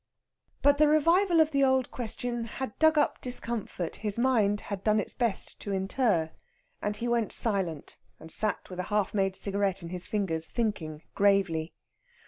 But the revival of the old question had dug up discomfort his mind had done its best to inter; and he went silent and sat with a half made cigarette in his fingers thinking gravely.